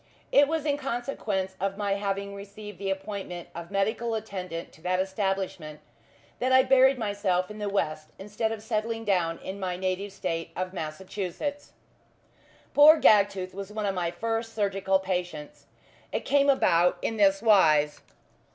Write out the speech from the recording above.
It was in consequence of my having received the appointment of medical attendant to that establishment that I buried myself in the west, instead of settling down in my native State of Massachusetts. Poor Gagtooth was one of my first surgical patients. It came about in this wise.